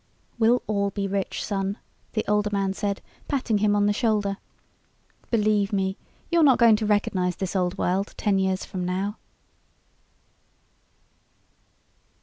"We'll all be rich, son," the older man said, patting him on the shoulder. "Believe me, you're not going to recognize this old world ten years from now."